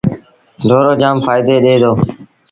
ڍورو جآم ڦآئيدو ڏي دو۔